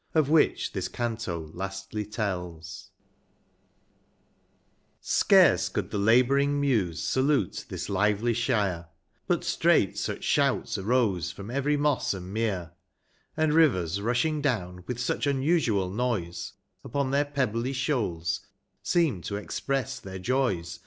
w CARCE could the labouring Muse salute this lively Shire, liut straight such shouts arose from every Moss and Merc, And llivcrs ru.sliing down, with sucli unusual noise, Upon their pe)>bly slioals, seem'd to express tlieir joys.